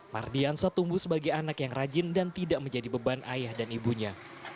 mardiansa tumbuh sebagai anak yang rajin dan tidak menjadi beban ayah dan ibunya